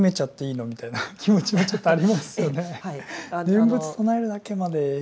念仏唱えるだけまでいくんだ。